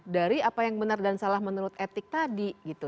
dari apa yang benar dan salah menurut etik tadi gitu